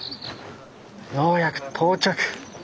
ようやく到着。